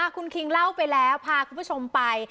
คุณคิงเล่าไปแล้วพาคุณผู้ชมไป